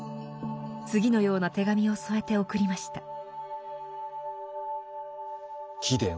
次のような手紙を添えて送りました。